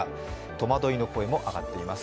戸惑いの声も上がっています。